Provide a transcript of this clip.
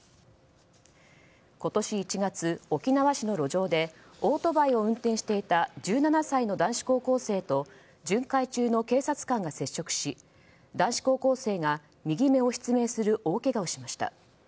今年１月、沖縄市の路上でオートバイを運転していた１７歳の男子高校生と巡回中の警察官が接触し男子高校生が右目を失明する大けがをしました。